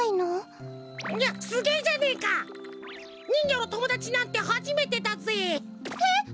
すげえじゃねえか！にんぎょのともだちなんてはじめてだぜ！えっ！？